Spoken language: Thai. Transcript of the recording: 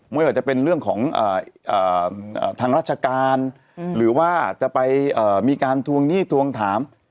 ไม่ว่าจะเป็นเรื่องของทางราชการหรือว่าจะไปมีการทวงหนี้ทวงถาม